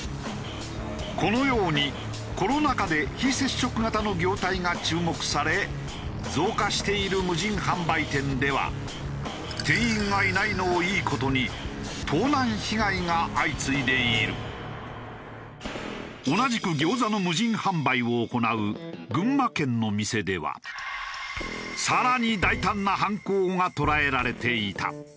このようにコロナ禍で非接触型の業態が注目され増加している無人販売店では店員がいないのをいい事に同じく餃子の無人販売を行う群馬県の店では更に大胆な犯行が捉えられていた。